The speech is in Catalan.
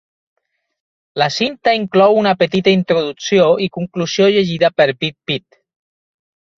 La cinta inclou una petita introducció i conclusió llegida per Big Pete.